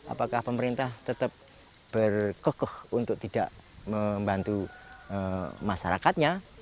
apakah pemerintah tetap berkokoh untuk tidak membantu masyarakatnya